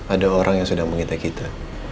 ada orang yang sudah mengintai kita